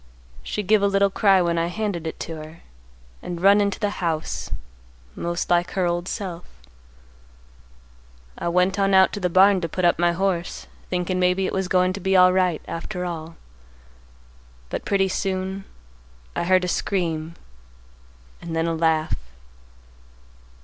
She give a little cry when I handed it to her, and run into the house, most like her old self. I went on out to the barn to put up my horse, thinkin' maybe it was goin' to be alright after all; but pretty soon, I heard a scream and then a laugh.